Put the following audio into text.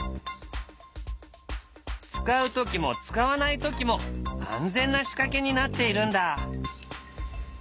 使うときも使わないときも安全な仕掛けになっているんだ。